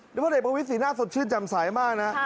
นี่พ่อเด็กประวิทย์สีหน้าสดชื่นจำใสมากนะ